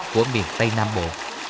của miền tây nam bộ